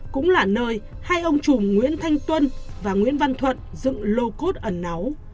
cũng là nơi hai ông chùm nguyễn thanh tuân và nguyễn văn thuận dựng lô cốt ẩn náu